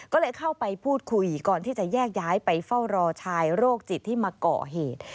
ก็เลยเข้าไปพูดคุยก่อนที่จะแยกย้ายไปเฝ้ารอชายโรคจิตที่มาก่อเหตุ